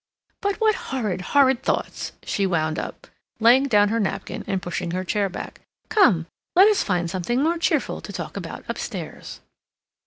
"But what horrid, horrid thoughts," she wound up, laying down her napkin and pushing her chair back. "Come, let us find something more cheerful to talk about upstairs."